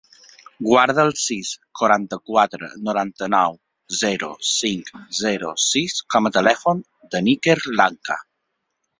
Guarda el sis, quaranta-quatre, noranta-nou, zero, cinc, zero, sis com a telèfon de l'Iker Langa.